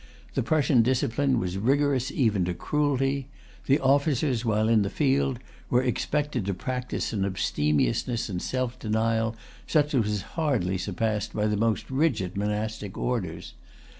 The Prussian discipline was rigorous even to cruelty. The officers, while in the field, were expected to practise an abstemiousness and self denial such as was hardly surpassed by the most rigid monastic orders.